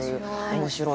面白い。